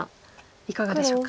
いかがでしょうか？